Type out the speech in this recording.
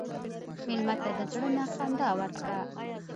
مېلمه ته د زړه نه خندا ورکړه.